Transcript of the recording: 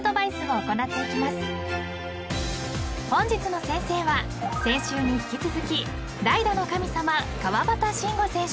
［本日の先生は先週に引き続き代打の神様川端慎吾選手］